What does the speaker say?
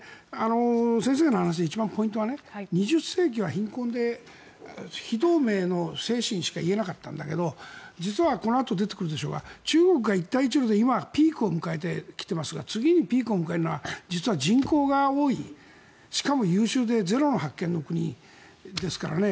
先生の話で一番ポイントは２０世紀は貧困で非同盟の精神しか言えなかったんだけど実はこのあと出てくるでしょうが中国が一帯一路で今、ピークを迎えてきていますが次のピークを迎えるのは実は人口が多い、しかも優秀ゼロの発見の国ですからね。